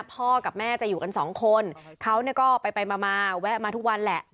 พ่อกับแม่จะอยู่กันสองคนเขาก็ไปมาแวะมาทุกวันแหละ